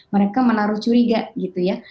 mereka menaruh curiga gitu ya